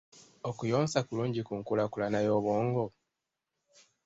Okuyonsa kulungi ku nkulaakulana y'obwongo?